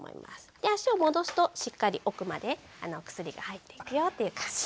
で足を戻すとしっかり奥までお薬が入っていくよという感じに。